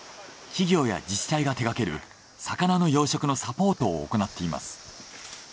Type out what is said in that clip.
企業や自治体が手がける魚の養殖のサポートを行っています。